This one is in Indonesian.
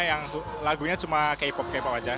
yang lagunya cuma k pop aja